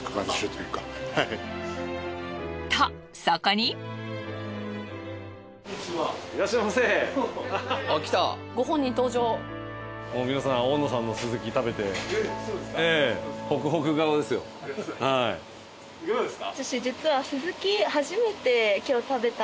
いかがですか？